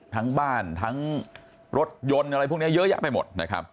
ทั้งบ้านทั้งรถยนต์อะไรพวกนี้เยอะแยะไปหมดนะครับ